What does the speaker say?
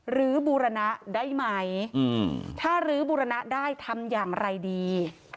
หลือบุรณาได้ไหมถ้าหลือบุรณาได้ทำอย่างอะไรดี